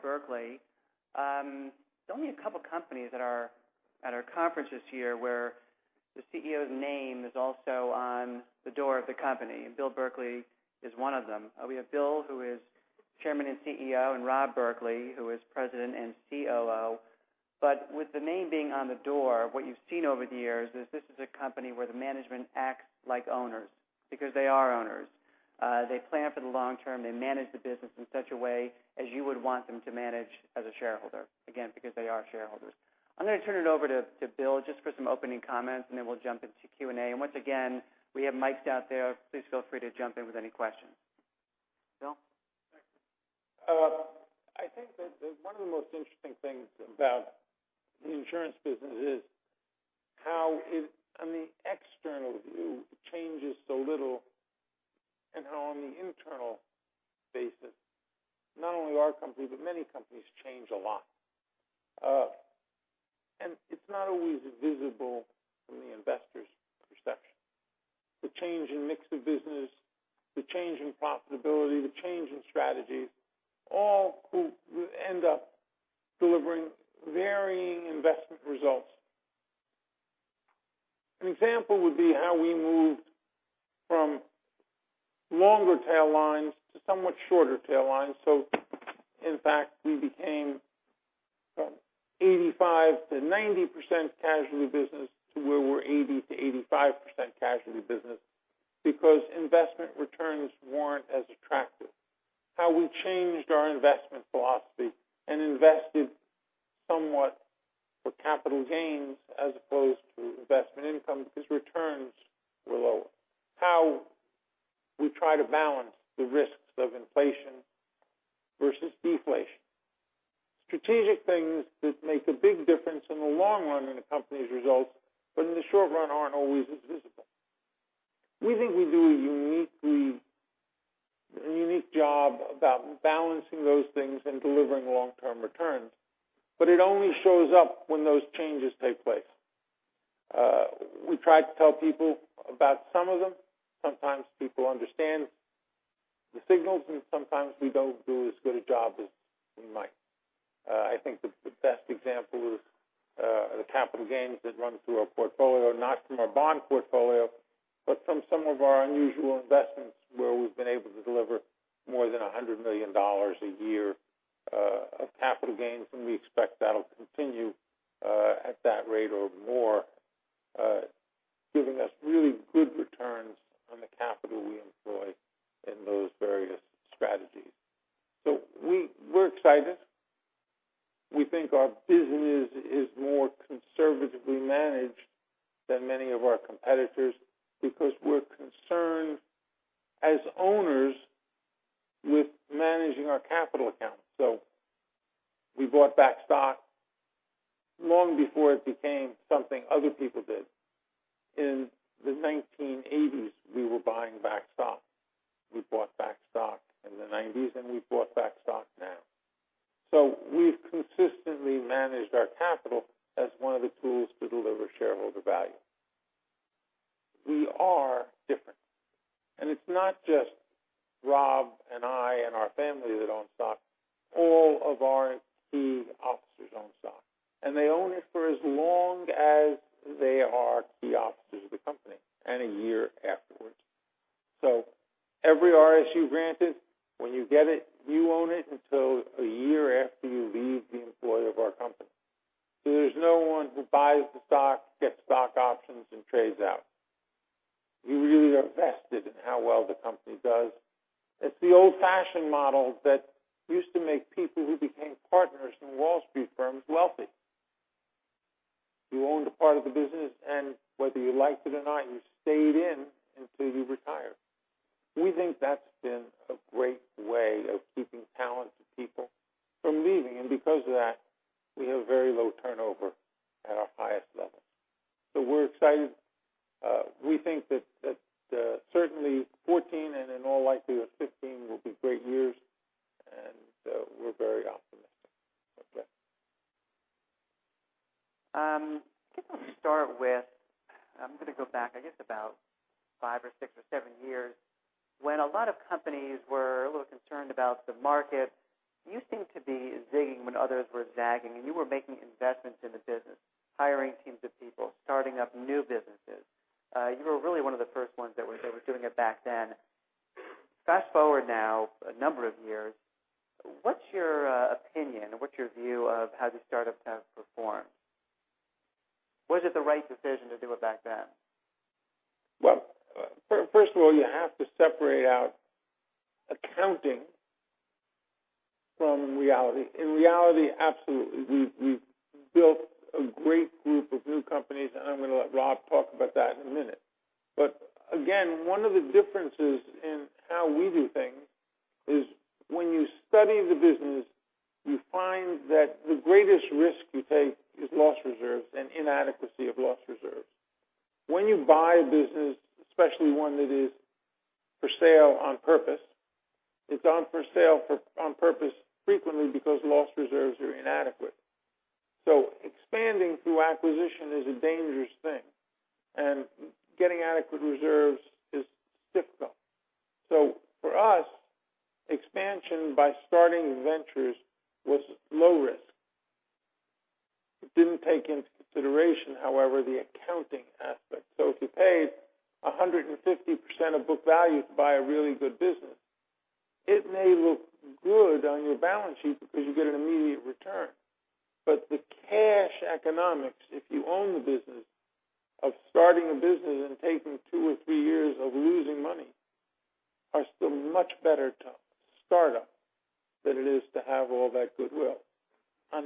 W. R. Berkley. There's only a couple of companies at our conference this year where the CEO's name is also on the door of the company, and Bill Berkley is one of them. We have Bill, who is Chairman and CEO, and Rob Berkley, who is President and COO. With the name being on the door, what you've seen over the years is this is a company where the management acts like owners because they are owners. They plan for the long term. They manage the business in such a way as you would want them to manage as a shareholder. Again, because they are shareholders. I'm going to turn it over to Bill just for some opening comments, and then we'll jump into Q&A. Once again, we have mics out there. Please feel free to jump in with any questions. Bill? Thanks. I think that one of the most interesting things about the insurance business is how on the external view, it changes so little and how on the internal basis, not only our company, but many companies change a lot. It's not always visible from the investor's perception. The change in mix of business, the change in profitability, the change in strategies all end up delivering varying investment results. An example would be how we moved from longer tail lines to somewhat shorter tail lines. In fact, we became from 85%-90% casualty business to where we're 80%-85% casualty business because investment returns weren't as attractive. How we changed our investment philosophy and invested somewhat for capital gains as opposed to investment income because returns were lower. How we try to balance the risks of inflation versus deflation. Strategic things that make a big difference in the long run in a company's results, but in the short run aren't always as visible. We think we do a unique job about balancing those things and delivering long-term returns, but it only shows up when those changes take place. We try to tell people about some of them. Sometimes people understand the signals, and sometimes we don't do as good a job as we might. I think the best example is the capital gains that run through our portfolio, not from our bond portfolio, but from some of our unusual investments where we've been able to deliver more than $100 million a year of capital gains. We expect that'll continue at that rate or more, giving us really good returns on the capital we employ in those various strategies. We're excited. We think our business is more conservatively managed than many of our competitors because we're concerned as owners with managing our capital account. We bought back stock long before it became something other people did. In the 1980s, we were buying back stock. We bought back stock in the '90s, and we've bought back stock now. We've consistently managed our capital as one of the tools to deliver shareholder value. We are different, and it's not just Rob and I and our family that own stock. All of our key officers own stock, and they own it for as long as they are key officers of the company and a year afterwards. Every RSU granted, when you get it, you own it until a year after you leave the employ of our company. There's no one who buys the stock, gets stock options, and trades out. We really are vested in how well the company does. It's the old-fashioned model that used to make people who became partners in Wall Street firms wealthy. You owned a part of the business, and whether you liked it or not, you stayed in until you retired. We think that's been a great way of keeping talented people from leaving. Because of that, we have very low turnover at our highest levels. We're excited. We think that certainly 2014 and in all likelihood, 2015 will be great years, and we're very optimistic. Okay. I guess I'll start with, I'm going to go back, I guess about five or six or seven years, when a lot of companies were a little concerned about the market. You seemed to be zigging when others were zagging, you were making investments in the business, hiring teams of people, starting up new businesses. You were really one of the first ones that was doing it back then. Fast-forward now a number of years, what's your opinion, what's your view of how the startups have performed? Was it the right decision to do it back then? Well, first of all, you have to separate out accounting from reality. In reality, absolutely. We've built a great group of new companies, and I'm going to let Rob talk about that in a minute. Again, one of the differences in how we do things is when you study the business, you find that the greatest risk you take is loss reserves and inadequacy of loss reserves. When you buy a business, especially one that is for sale on purpose, it's on for sale on purpose frequently because loss reserves are inadequate. Expanding through acquisition is a dangerous thing, getting adequate reserves is difficult. For us, expansion by starting ventures was low risk. It didn't take into consideration, however, the accounting aspect. If you paid 150% of book value to buy a really good business, it may look good on your balance sheet because you get an immediate return. The cash economics, if you own the business, of starting a business and taking two or three years of losing money, are still much better to start up than it is to have all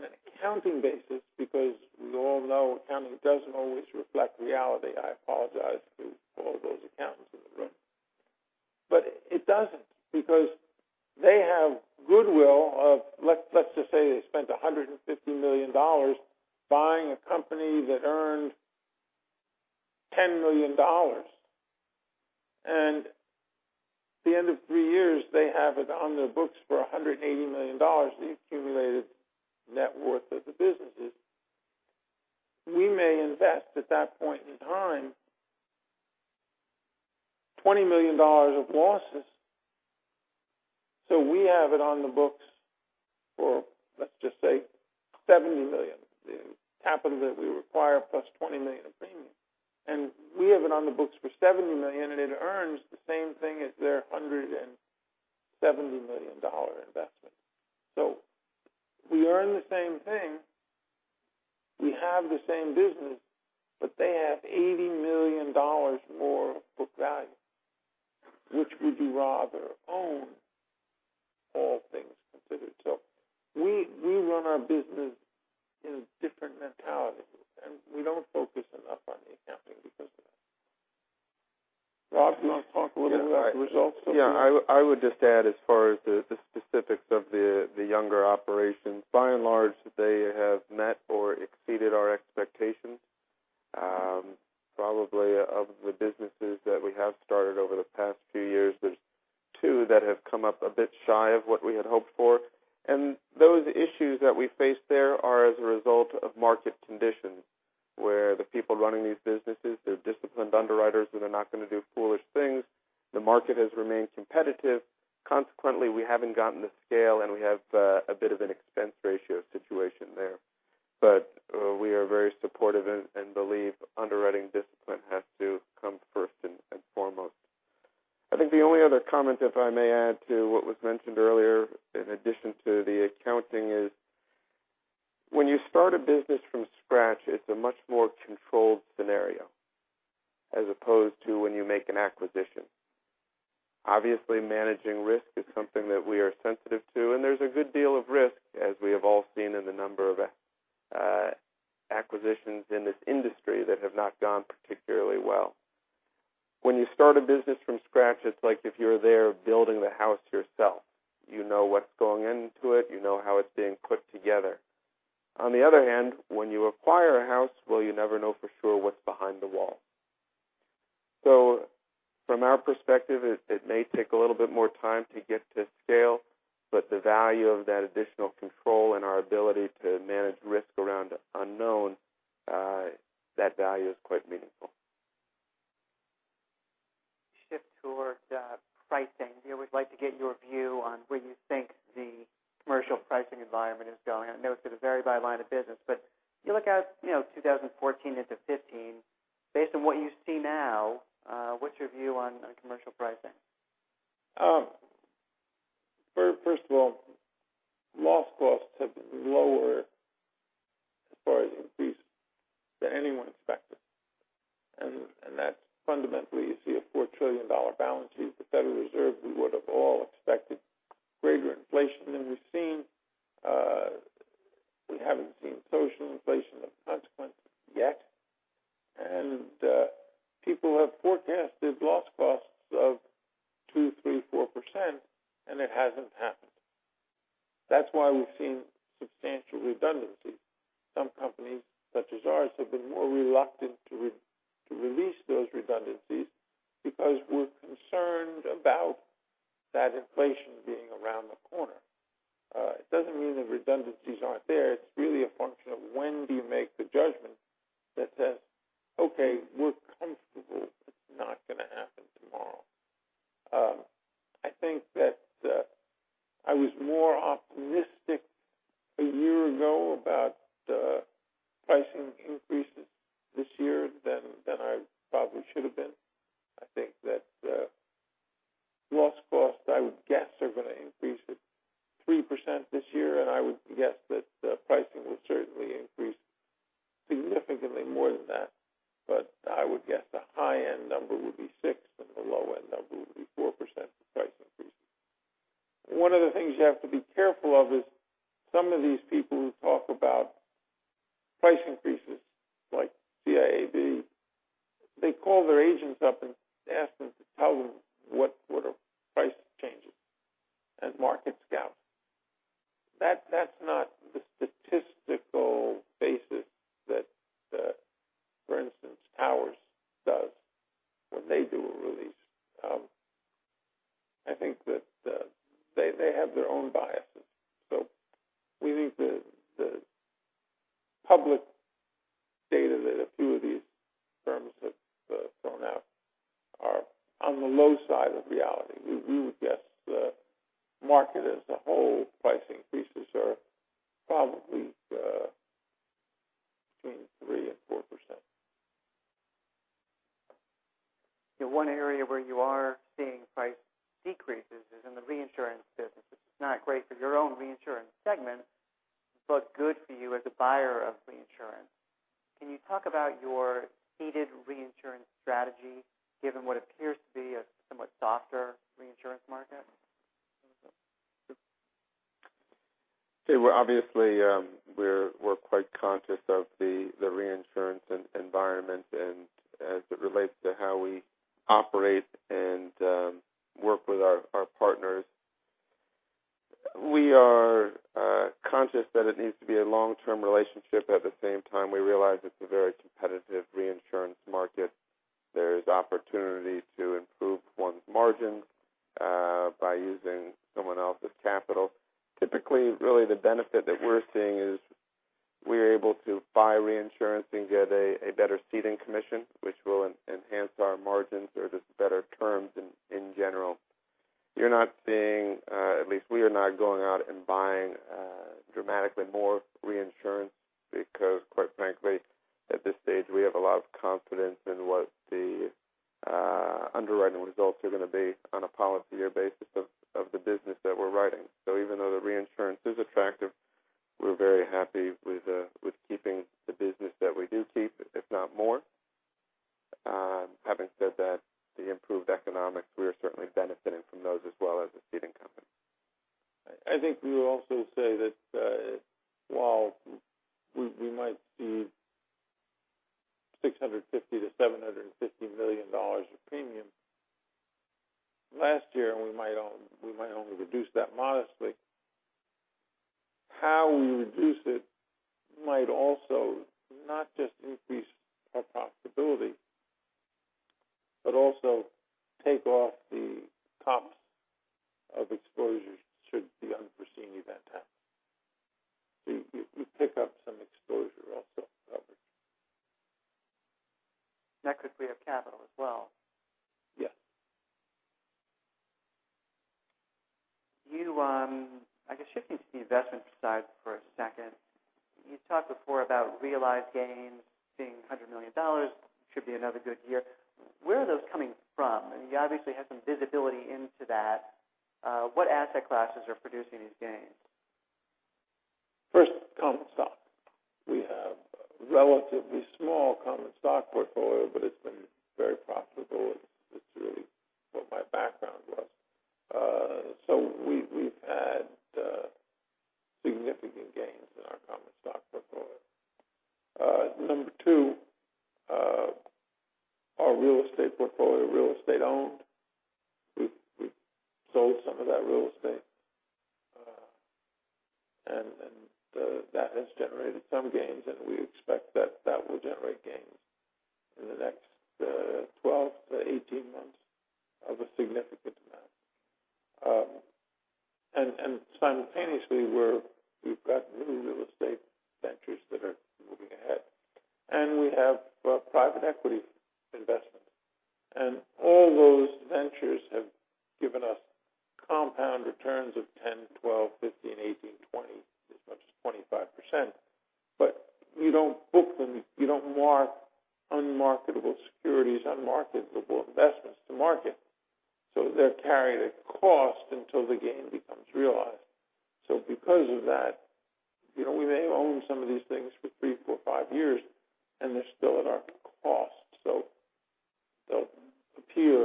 that goodwill. On an accounting basis, because we all know accounting doesn't always reflect reality. I apologize to all those accountants in the room. It doesn't, because they have goodwill of, let's just say they spent $150 million buying a company that earned $10 million. At the end of three years, they have it on their books for $180 million, the accumulated net worth of the businesses. We may invest, at that point in time, $20 million of losses. We have it on the books for, let's just say, $70 million, the capital that we require plus $20 million of premium. We have it on the books for $70 million, and it earns the same thing as their $170 million investment. We earn the same thing, we have the same business, but they have $80 million more book value. Which would you rather own, all things considered? We run our business in a different mentality, and we don't focus enough on the accounting because of that. Rob, do you want to talk a little bit about the results? Yeah. I would just add, as far as the specifics of the younger operations, by and large, they have met or exceeded our expectations. Probably of the businesses that we have started over the past few years, there's two that have come up a bit shy of what we had hoped for. Those issues that we face there are as a result of market conditions, where the people running these businesses, they're disciplined underwriters, and they're not going to do foolish things. The market has remained competitive. Consequently, we haven't gotten the scale, and we have a bit of an expense ratio situation there. We are very supportive and believe underwriting discipline has to come first and foremost. I think the only other comment, if I may add to what was mentioned earlier, in addition to the accounting, is when you start a business from scratch, it's a much more controlled scenario as opposed to when you make an acquisition. Obviously, managing risk is something that we are sensitive to, and there's a good deal of risk, as we have all seen in the number of acquisitions in this industry that have not gone particularly well. When you start a business from scratch, it's like if you're there building the house yourself. You know what's going into it. You know how it's being put together. On the other hand, when you acquire a house, well, you never know for sure what's behind the wall. From our perspective, it may take a little bit more time to get to scale, but the value of that additional control and our ability to manage risk around the unknown, that value is quite meaningful. Shift towards pricing. We'd like to get your view on where you think the commercial pricing environment is going. I know it's going to vary by line of business, you look out 2014 into 2015, based on what you see now, what's your view on commercial pricing? First of all, loss costs have been lower, as far as increase, than anyone expected. That's fundamentally, you see a $4 trillion balance sheet with the Federal Reserve. We would have all expected greater inflation than we've seen. We haven't seen social inflation of consequence yet. People have forecasted loss costs of 2%, 3%, 4%, and it hasn't happened. That's why we've seen substantial redundancies. Some companies, such as ours, have been more reluctant to release those redundancies because we're concerned about that inflation being around the corner. It doesn't mean the redundancies aren't there. It's really a function of when do you make the judgment that says, "Okay, we're comfortable it's not going to happen tomorrow." I think that I was more optimistic by using someone else's capital. Typically, really the benefit that we're seeing is we are able to buy reinsurance and get a better ceding commission, which will enhance our margins or just better terms in general. You're not seeing, at least we are not going out and buying dramatically more reinsurance because quite frankly, at this stage, we have a lot of confidence in what the underwriting results are going to be on a policy year basis of the business that we're writing. Even though the reinsurance is attractive, we're very happy with keeping the business that we do keep, if not more. Having said that, the improved economics, we are certainly benefiting from those as well as a ceding company. I think we will also say that while we might see $650 million-$750 million of premium last year, and we might only reduce that modestly. How we reduce it might also not just increase our profitability, but also take off the tops of exposures should the unforeseen event happen. You pick up some exposure also coverage. That could free up capital as well. Yes. I guess shifting to the investment side for a second, you talked before about realized gains being $100 million, should be another good year. Where are those coming from? You obviously have some visibility into that. What asset classes are producing these gains? First, common stock. We have relatively small common stock portfolio, but it's been very profitable. It's really what my background was. We've had significant gains in our common stock portfolio. Number two, our real estate portfolio, real estate owned. We've sold some of that real estate, and that has generated some gains, and we expect that that will generate gains in the next 12-18 months of a significant amount. Simultaneously, we've got new real estate ventures that are moving ahead. We have private equity investment. All those ventures have given us compound returns of 10, 12, 15, 18, 20, as much as 25%. You don't book them, you don't mark unmarketable securities, unmarketable investments to market. They carry the cost until the gain becomes realized. Because of that, we may own some of these things for three, four, five years, and they're still at our cost. They'll appear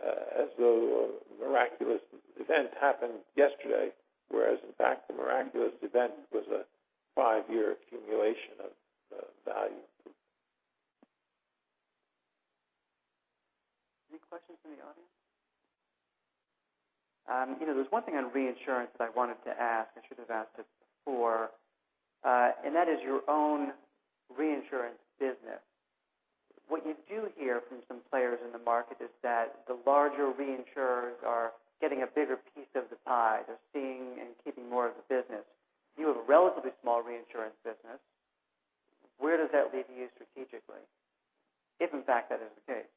as though a miraculous event happened yesterday, whereas in fact, the miraculous event was a five-year accumulation of value. Any questions from the audience? There's one thing on reinsurance that I wanted to ask, I should have asked it before, and that is your own reinsurance business. What you do hear from some players in the market is that the larger reinsurers are getting a bigger piece of the pie. They're seeing and keeping more of the business. You have a relatively small reinsurance business. Where does that leave you strategically? If in fact that is the case.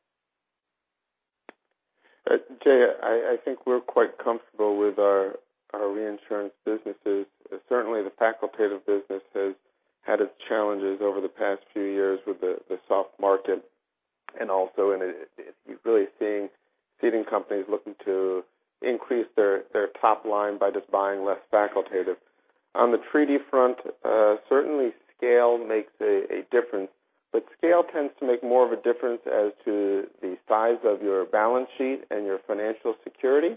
Jay, I think we're quite comfortable with our reinsurance businesses. Certainly, the facultative business has had its challenges over the past few years with the soft market. Also, you're really seeing ceding companies looking to increase their top line by just buying less facultative. On the treaty front, certainly scale makes a difference, but scale tends to make more of a difference as to the size of your balance sheet and your financial security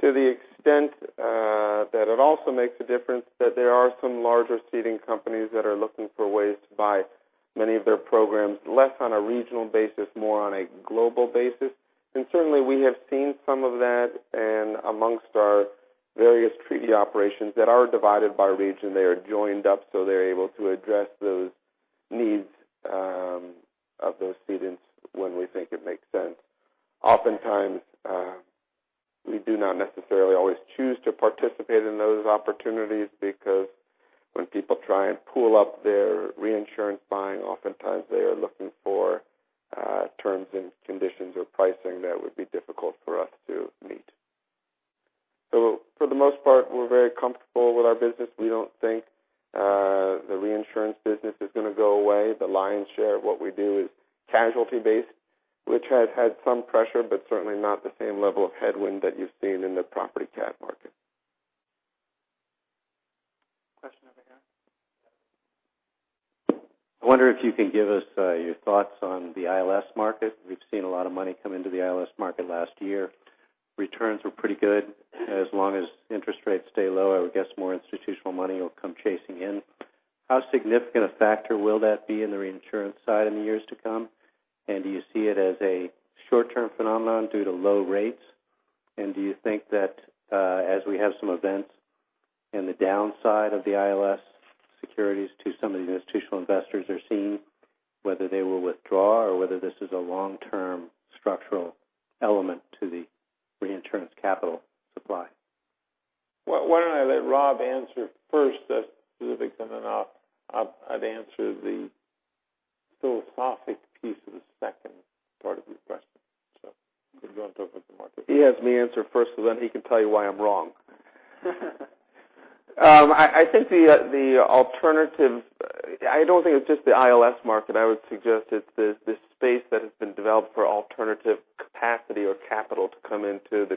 to the extent that it also makes a difference that there are some larger ceding companies that are looking for ways to buy many of their programs, less on a regional basis, more on a global basis. Certainly, we have seen some of that, and amongst our various treaty operations that are divided by region, they are joined up so they're able to address those needs of those clients when we think it makes sense. Oftentimes, we do not necessarily always choose to participate in those opportunities because when people try and pool up their reinsurance buying, oftentimes they are looking for terms and conditions or pricing that would be difficult for us to meet. For the most part, we're very comfortable with our business. We don't think the reinsurance business is going to go away. The lion's share of what we do is casualty-based, which has had some pressure, but certainly not the same level of headwind that you've seen in the property cat market. Question over here. I wonder if you can give us your thoughts on the ILS market. We've seen a lot of money come into the ILS market last year. Returns were pretty good. As long as interest rates stay low, I would guess more institutional money will come chasing in. How significant a factor will that be in the reinsurance side in the years to come? Do you see it as a short-term phenomenon due to low rates? Do you think that, as we have some events in the downside of the ILS securities, some of the institutional investors are seeing whether they will withdraw or whether this is a long-term structural element to the reinsurance capital supply? Why don't I let Rob answer first specifically, then I'd answer the philosophic piece of the second part of your question. Could you go and talk with the market? He has me answer first, so then he can tell you why I'm wrong. I don't think it's just the ILS market. I would suggest it's this space that has been developed for alternative capacity or capital to come into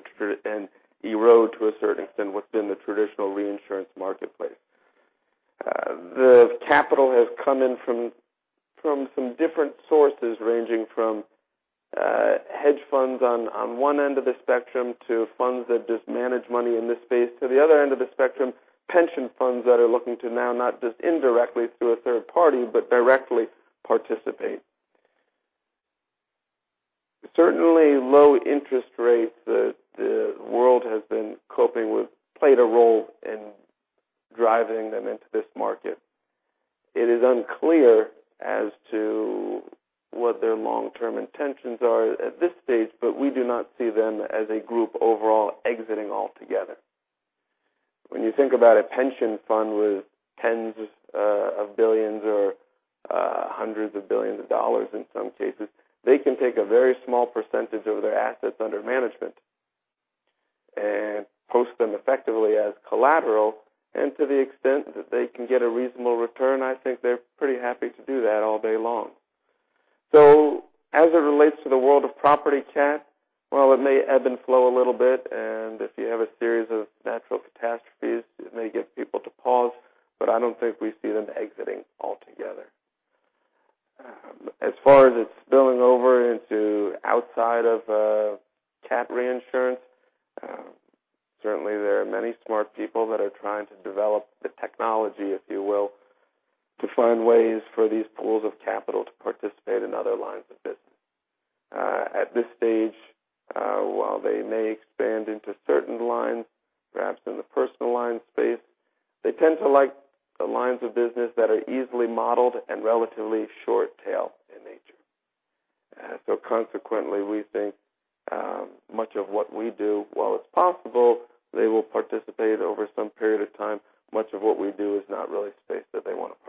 and erode to a certain extent what's been the traditional reinsurance marketplace. The capital has come in from some different sources, ranging from hedge funds on one end of the spectrum to funds that just manage money in this space, to the other end of the spectrum, pension funds that are looking to now not just indirectly through a third party, but directly participate. Certainly, low interest rates that the world has been coping with played a role in driving them into this market. It is unclear as to what their long-term intentions are at this stage, but we do not see them as a group overall exiting altogether. When you think about a pension fund with tens of billions or hundreds of billions of dollars in some cases, they can take a very small percentage of their assets under management and post them effectively as collateral. To the extent that they can get a reasonable return, I think they're pretty happy to do that all day long. As it relates to the world of property cat, while it may ebb and flow a little bit, and if you have a series of natural catastrophes, it may get people to pause, but I don't think we see them exiting altogether. As far as it spilling over into outside of cat reinsurance, certainly there are many smart people that are trying to develop the technology, if you will, to find ways for these pools of capital to participate in other lines of business. At this stage, while they may expand into certain lines, perhaps in the personal line space, they tend to like the lines of business that are easily modeled and relatively short tail in nature. Consequently, we think much of what we do, while it's possible they will participate over some period of time, much of what we do is not really space that they want to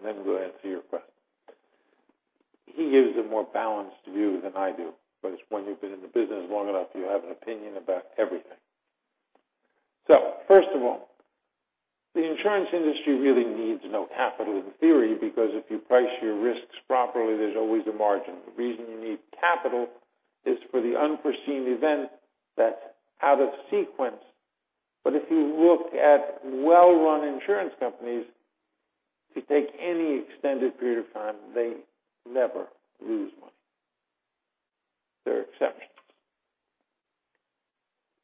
participate in. As mentioned earlier, we are very much a casualty-focused shop. Let me now answer my piece of that and then we'll answer your question. He gives a more balanced view than I do, but when you've been in the business long enough, you have an opinion about everything. First of all, the insurance industry really needs no capital in theory because if you price your risks properly, there's always a margin. The reason you need capital is for the unforeseen event that's out of sequence. If you look at well-run insurance companies, if you take any extended period of time, they never lose money. There are exceptions.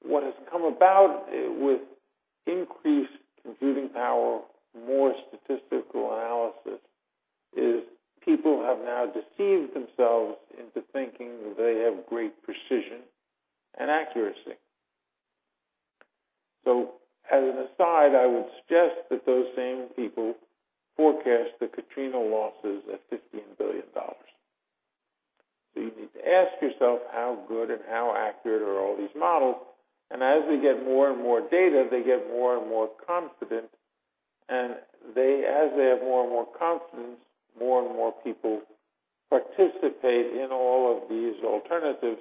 What has come about with increased computing power, more statistical analysis, is people have now deceived themselves into thinking that they have great precision and accuracy. As an aside, I would suggest that those same people forecast the Katrina losses at $15 billion. You need to ask yourself how good and how accurate are all these models? As they get more and more data, they get more and more confident, and as they have more and more confidence, more and more people participate in all of these alternatives,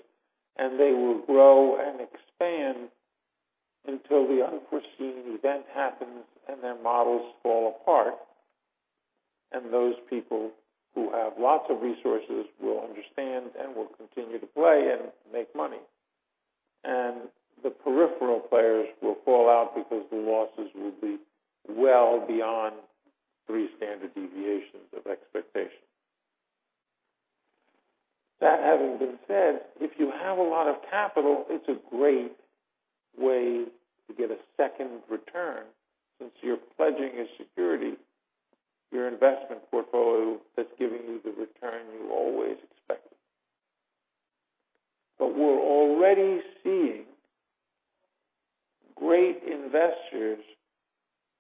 and they will grow and expand until the unforeseen event happens and their models fall apart. Those people who have lots of resources will understand and will continue to play and make money. The peripheral players will fall out because the losses will be well beyond three standard deviations of expectation. That having been said, if you have a lot of capital, it's a great way to get a second return, since you're pledging a security, your investment portfolio that's giving you the return you always expected. We're already seeing great investors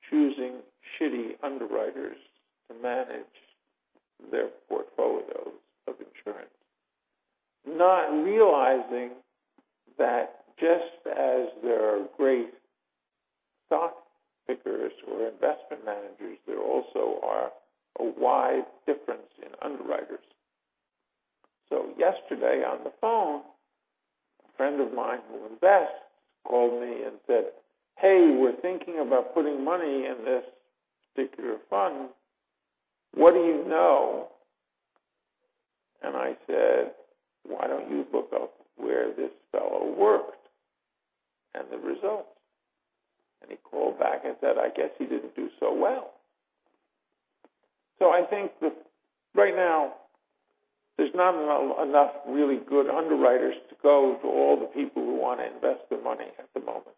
choosing shitty underwriters to manage their portfolios of insurance, not realizing that just as there are great stock pickers or investment managers, there also are a wide difference in underwriters. Yesterday on the phone, a friend of mine who invests called me and said, "Hey, we're thinking about putting money in this particular fund. What do you know?" I said, "Why don't you look up where this fellow worked and the results?" He called back and said, "I guess he didn't do so well." I think that right now, there's not enough really good underwriters to go to all the people who want to invest their money at the moment.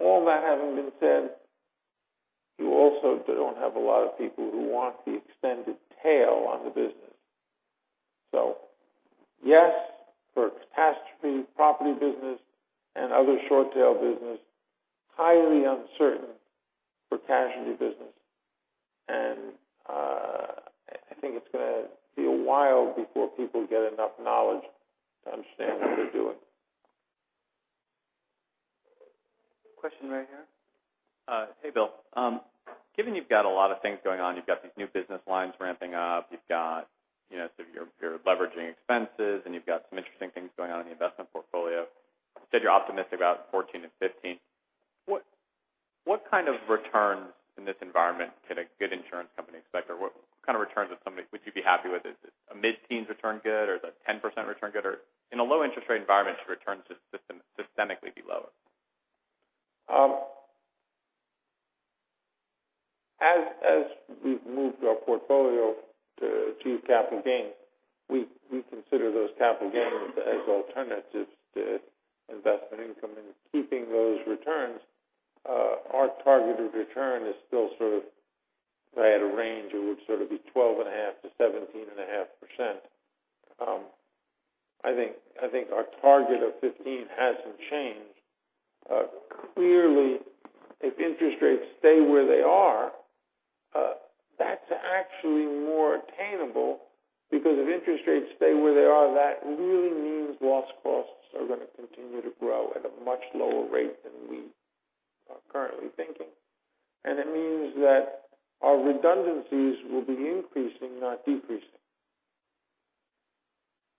All that having been said, you also don't have a lot of people who want the extended tail on the business. Yes, for catastrophe, property business, and other short tail business, highly uncertain for casualty business. I think it's going to be a while before people get enough knowledge to understand what they're doing. Question right here. Hey, Bill. Given you've got a lot of things going on, you've got these new business lines ramping up. You're leveraging expenses, and you've got some interesting things going on in the investment portfolio. You said you're optimistic about 2014 and 2015. What kind of returns in this environment can a good insurance company expect? What kind of returns would you be happy with? Is a mid-teens return good, or is a 10% return good? In a low interest rate environment, should returns systemically be lower? As we've moved our portfolio to achieve capital gains, we consider those capital gains as alternatives to investment income and keeping those returns. Our targeted return is still, if I had a range, it would be 12.5%-17.5%. I think our target of 15% hasn't changed. Clearly, if interest rates stay where they are, that's actually more attainable, because if interest rates stay where they are, that really means loss costs are going to continue to grow at a much lower rate than we are currently thinking. It means that our redundancies will be increasing, not decreasing.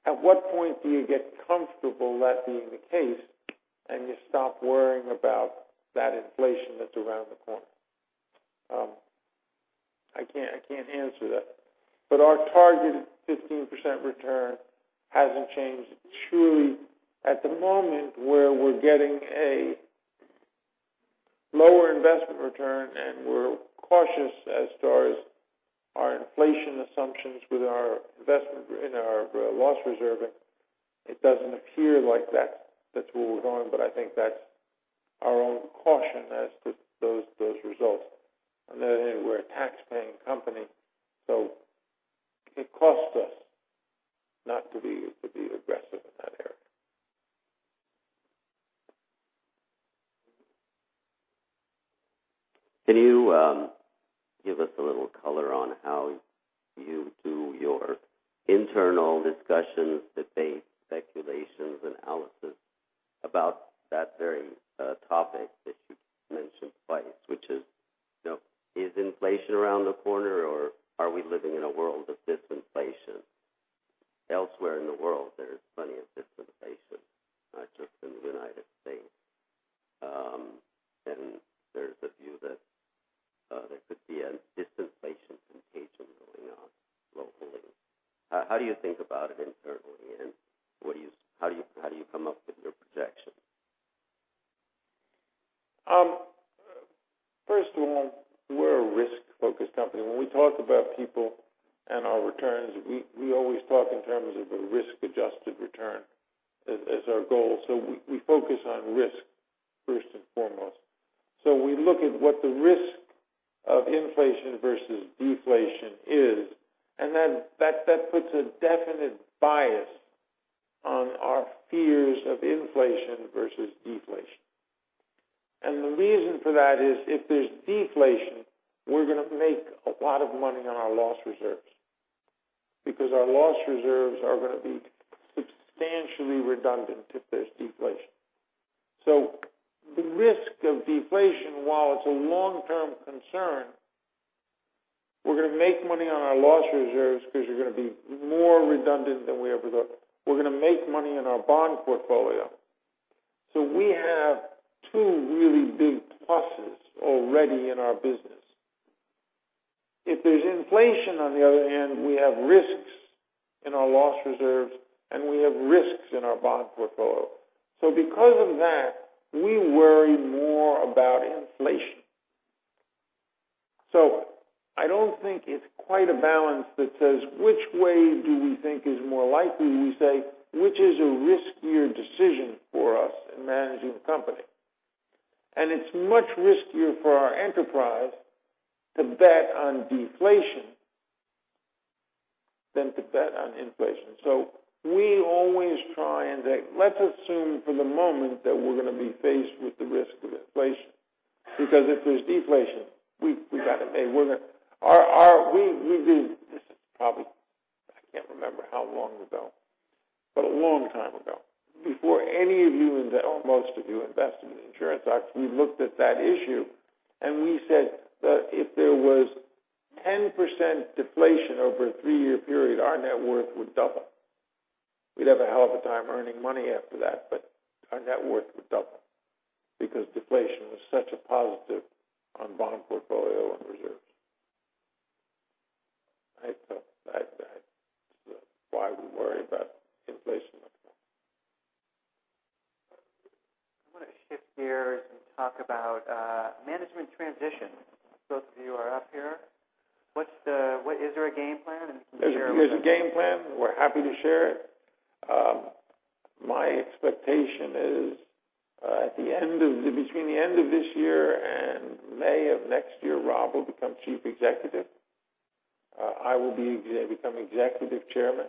At what point do you get comfortable that being the case, and you stop worrying about that inflation that's around the corner? I can't answer that. Our targeted 15% return hasn't changed. Truly, at the moment, where we're getting a lower investment return and we're cautious as to our inflation assumptions with our investment in our loss reserving, it doesn't appear like that's where we're going, but I think that's our own caution as to those results. We're a tax-paying company, so it costs us not to be aggressive in that area. Can you give us a little color on how you do your internal discussions, debates, speculations, analysis about that very topic that you mentioned twice, which is inflation around the corner, or are we living in a world of disinflation? Elsewhere in the world, there is plenty of disinflation, not just in the U.S. There's a view that there could be a disinflation contagion going on locally. How do you think about it internally, and how do you come up with your projections? First of all, we're a risk-focused company. When we talk about people and our returns, we always talk in terms of a risk-adjusted return as our goal. We focus on risk first and foremost. We look at what the risk of inflation versus deflation is, and that puts a definite bias on our fears of inflation versus deflation. The reason for that is if there's deflation, we're going to make a lot of money on our loss reserves, because our loss reserves are going to be substantially redundant if there's deflation. The risk of deflation, while it's a long-term concern, we're going to make money on our loss reserves because they're going to be more redundant than we ever thought. We're going to make money in our bond portfolio. We have two really big pluses already in our business. If there's inflation, on the other hand, we have risks in our loss reserves, and we have risks in our bond portfolio. Because of that, we worry more about inflation. I don't think it's quite a balance that says which way do we think is more likely? We say, which is a riskier decision for us in managing the company. It's much riskier for our enterprise to bet on deflation than to bet on inflation. We always try and let's assume for the moment that we're going to be faced with the risk of inflation, because if there's deflation, we've got it made. This is probably, I can't remember how long ago, but a long time ago. Before any of you, most of you invested in the insurance sector, we looked at that issue and we said that if there was 10% deflation over a three-year period, our net worth would double. We'd have a hell of a time earning money after that, but our net worth would double because deflation was such a positive on bond portfolio and reserves. That's why we worry about inflation right now. I want to shift gears and talk about management transition. Both of you are up here. Is there a game plan? Can you share it with us? There's a game plan. We're happy to share it. My expectation is between the end of this year and May of next year, Rob will become chief executive. I will become executive chairman.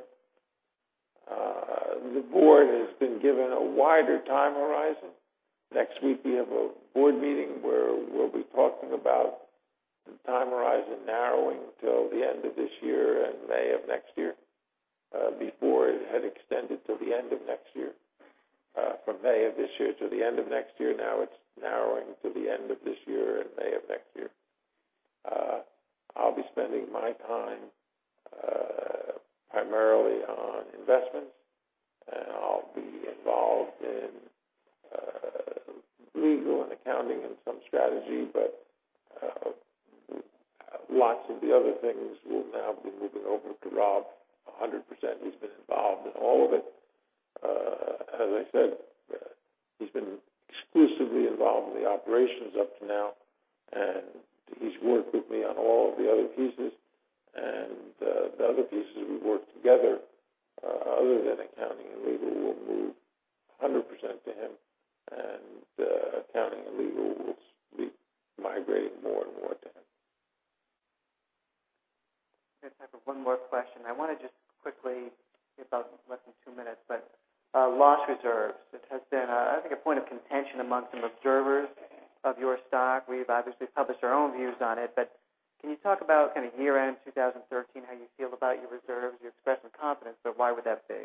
The board has been given a wider time horizon. Next week, we have a board meeting where we'll be talking about the time horizon narrowing till the end of this year and May of next year. Before, it had extended till the end of next year, from May of this year to the end of next year. Now it's narrowing to the end of this year and May of next year. I'll be spending my time primarily on investments, and I'll be involved in legal and accounting and some strategy, but lots of the other things will now be moving over to Rob 100%. He's been involved in all of it. As I said, he's been exclusively involved in the operations up to now. He's worked with me on all of the other pieces. The other pieces we work together, other than accounting and legal, will move 100% to him, and accounting and legal will migrate more and more to him. We have time for one more question. I want to just quickly, in about less than two minutes. Loss reserves. It has been, I think, a point of contention amongst some observers of your stock. Can you talk about kind of year-end 2013, how you feel about your reserves, you expressed some confidence, but why would that be?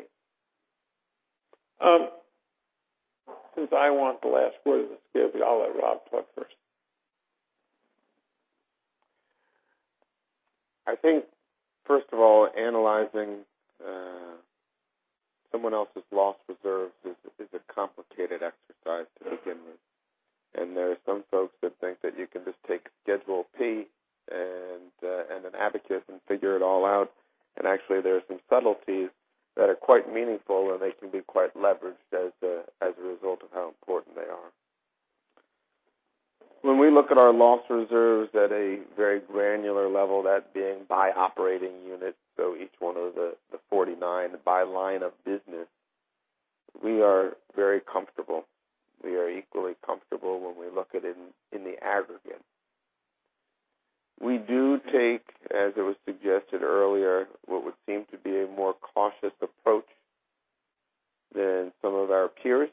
Since I want the last word of this, maybe I'll let Rob talk first. I think, first of all, analyzing someone else's loss reserves is a complicated exercise to begin with. There are some folks that think that you can just take Schedule P and an abacus and figure it all out. Actually, there are some subtleties that are quite meaningful. They can be quite leveraged as a result of how important they are. When we look at our loss reserves at a very granular level, that being by operating unit, so each one of the 49 by line of business, we are very comfortable. We are equally comfortable when we look at it in the aggregate. We do take, as it was suggested earlier, what would seem to be a more cautious approach than some of our peers.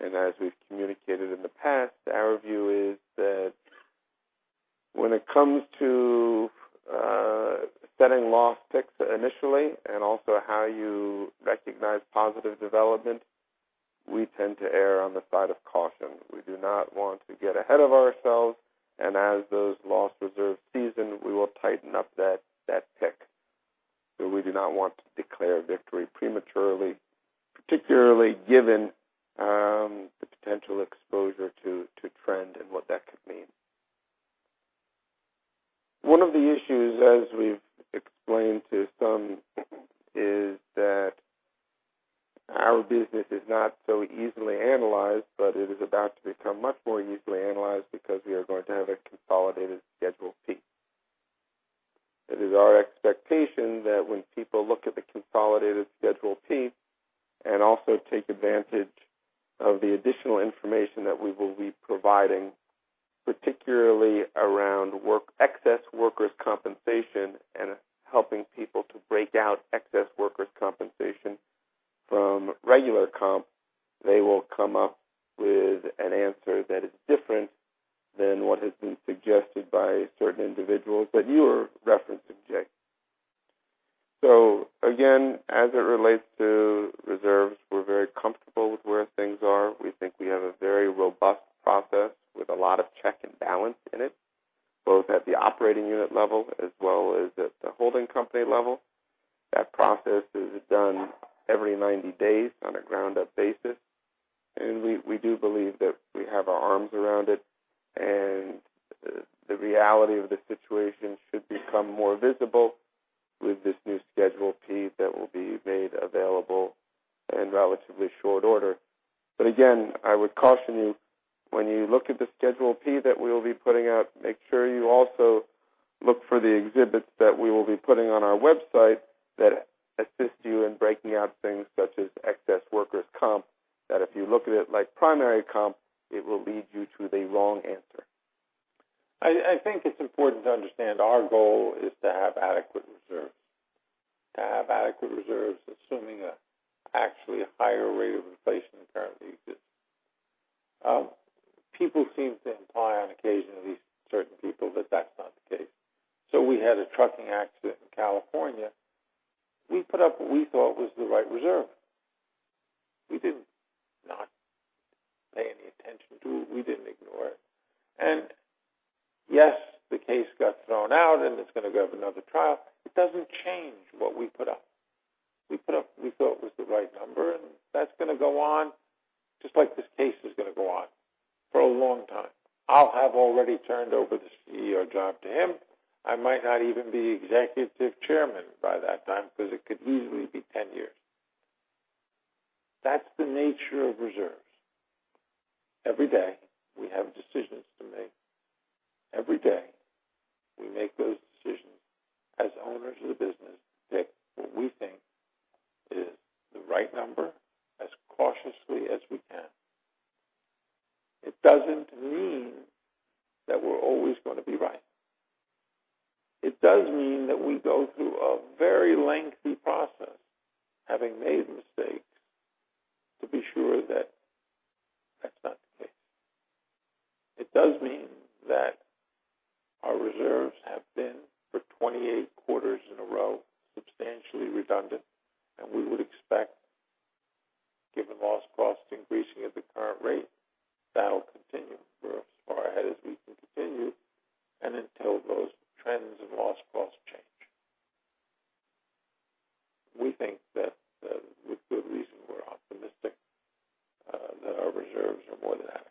As we've communicated in the past, our view is that when it comes to setting loss costs initially and also how you recognize positive development, we tend to err on the side of caution. We do not want to get ahead of ourselves, and as those loss reserves season, we will tighten up that tick. We do not want to declare victory prematurely, particularly given the potential exposure to trend and what that could mean. One of the issues, as we've explained to some, is that our business is not so easily I think it's important to understand our goal is to have adequate reserves. To have adequate reserves, assuming a actually higher rate of inflation than currently exists. People seem to imply on occasion, at least certain people, that that's not the case. We had a trucking accident in California. We put up what we thought was the right reserve. We didn't not pay any attention to it. We didn't ignore it. Yes, the case got thrown out and it's going to go up for another trial. It doesn't change what we put up. We put up what we thought was the right number, and that's going to go on just like this case is going to go on for a long time. I'll have already turned over the CEO job to him. I might not even be Executive Chairman by that time because it could easily be 10 years. That's the nature of reserves. Every day we have decisions to make. Every day we make those decisions as owners of the business to pick what we think is the right number as cautiously as we can. It doesn't mean that we're always going to be right. It does mean that we go through a very lengthy process, having made mistakes, to be sure that that's not the case. It does mean that our reserves have been, for 28 quarters in a row, substantially redundant, and we would expect, given loss costs increasing at the current rate, that'll continue for as far ahead as we can continue and until those trends in loss costs change. We think that with good reason, we're optimistic that our reserves are more than adequate